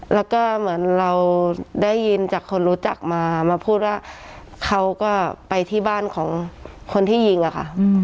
แล้วก็เหมือนเราได้ยินจากคนรู้จักมามาพูดว่าเขาก็ไปที่บ้านของคนที่ยิงอะค่ะ